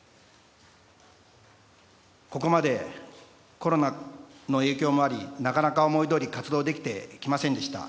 ここまでコロナの影響もありなかなか思いどおり活動できてきませんでした。